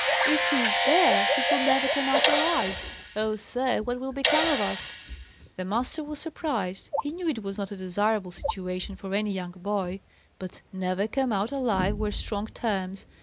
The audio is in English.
"If he is there, he will never come out alive! Oh, sir, what will become of us?" The master was surprised. He knew it was not a desirable situation for any young boy; but "never come out alive" were strong terms.